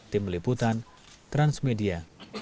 tim liputan transmedia